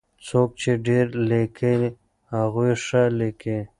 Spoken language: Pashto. څوک چې ډېر ليکي هغوی ښه ليکي.